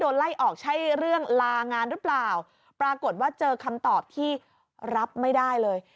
ไล่ออกใช่เรื่องลางานหรือเปล่าปรากฏว่าเจอคำตอบที่รับไม่ได้เลย